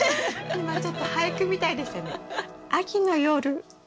今ちょっと俳句みたいでしたね。